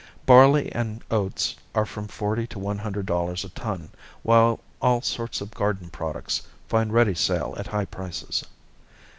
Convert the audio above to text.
Barley and oats are from forty to one hundred dollars a ton, while all sorts of garden products find ready sale at high prices.